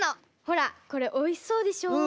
ほらこれおいしそうでしょう？